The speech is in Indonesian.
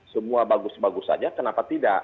semua bagus bagus saja kenapa tidak